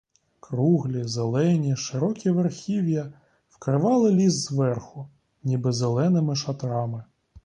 Круглі зелені широкі верхів'я вкривали ліс зверху, ніби зеленими шатрами.